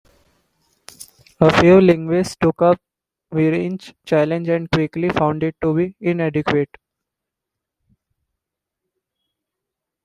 A few linguists took up Weinreich's challenge and quickly found it to be inadequate.